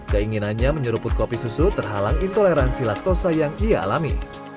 keinginannya menyeruput kopi susu terhalang intoleransi laktosa yang ia alami